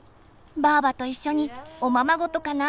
ばあばと一緒におままごとかな？